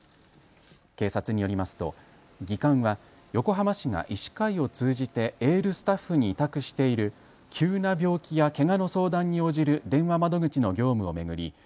警察によりますと技官は横浜市が医師会を通じてエールスタッフに委託している急な病気やけがの相談に応じる電話窓口の業務を巡り